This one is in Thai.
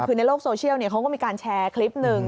คือในโลกโซเชียลเขาก็มีการแชร์คลิปหนึ่ง